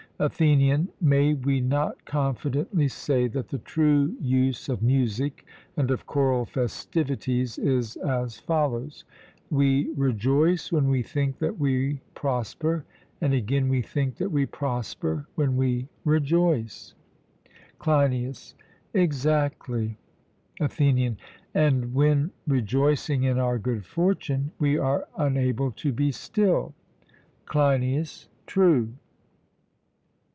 ATHENIAN: May we not confidently say that the true use of music and of choral festivities is as follows: We rejoice when we think that we prosper, and again we think that we prosper when we rejoice? CLEINIAS: Exactly. ATHENIAN: And when rejoicing in our good fortune, we are unable to be still? CLEINIAS: True.